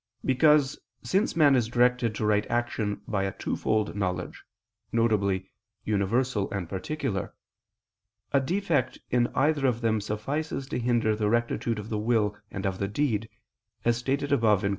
Because, since man is directed to right action by a twofold knowledge, viz. universal and particular, a defect in either of them suffices to hinder the rectitude of the will and of the deed, as stated above (Q.